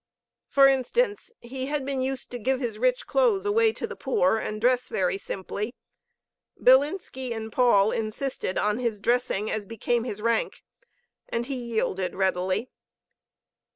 For instance, he had been used to give his rich clothes away to the poor, and dress very simply. Bilinski and Paul insisted on his dressing as became his rank, and he yielded readily.